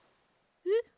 えっ？